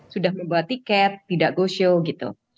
sudah membawa tiket tidak go show gitu